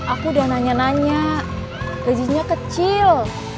aku udah nanya nanya gajinya kecil